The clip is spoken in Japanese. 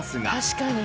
確かに。